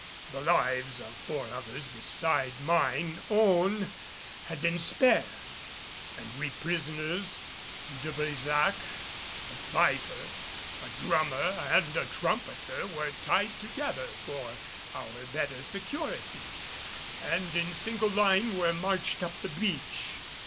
The lives of four others beside mine own had been spared; and we prisoners, De Brésac, a fifer, a drummer and a trumpeter were tied together for our better security, and in single line were marched up the beach.